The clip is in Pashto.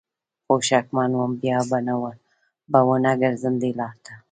خو شکمن وم بیا به ونه ګرځم دې لار ته